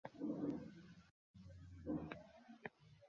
না, এতোটাও ভালো লাগে নি।